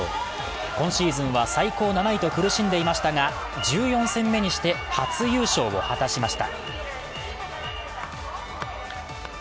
今シーズンは最高７位と苦しんでいましたが、１４戦目にして初優勝を果たしました。